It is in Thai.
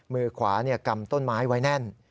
มือขวากำต้นไม้ไว้แน่น